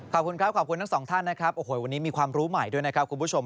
ขอบคุณครับขอบคุณทั้งสองท่านนะครับโอ้โหวันนี้มีความรู้ใหม่ด้วยนะครับคุณผู้ชม